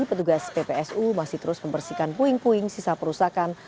petugas ppsu masih terus membersihkan puing puing sisa perusakan